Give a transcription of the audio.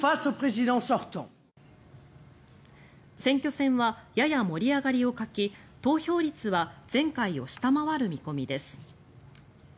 選挙戦はやや盛り上がりを欠き投票率は前回を下回る見込みです。